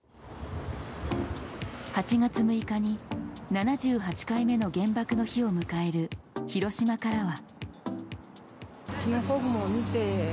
８月６日に７８回目の原爆の日を迎える広島からは。